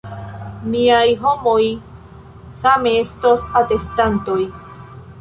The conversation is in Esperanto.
Miaj homoj same estos atestantoj.